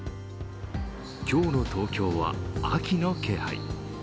今日の東京は秋の気配。